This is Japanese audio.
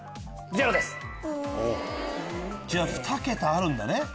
じゃあ２桁あるんだね。